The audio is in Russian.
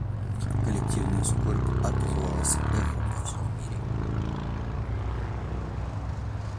Коллективная скорбь отозвалась эхом во всем мире.